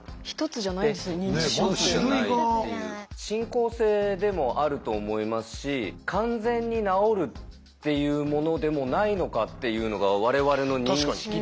進行性でもあると思いますし完全に治るっていうものでもないのかっていうのが我々の認識ではあるんですね。